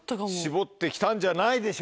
絞ってきたんじゃないでしょうか。